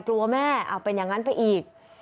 กลัวแม่เอาเป็นอย่างนั้นไปอีก